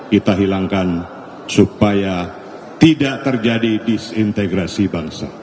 kita hilangkan supaya tidak terjadi disintegrasi bangsa